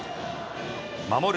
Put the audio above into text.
守る